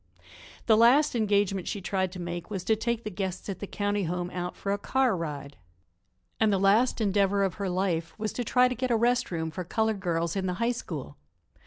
The last engagement she tried to make was to take the guests at the county home out for a car ride. And the last endeavor of her life was to try to get a rest room for colored girls in the High School.